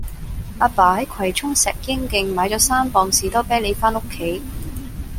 亞爸喺葵涌石英徑買左三磅士多啤梨返屋企